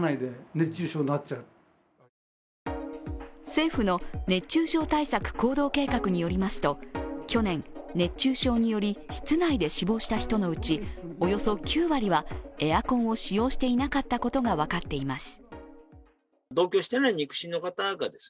政府の熱中症対策行動計画によりますと去年、熱中症により室内で死亡した人のうちおよそ９割はエアコンを使用していなかったことが分かっています。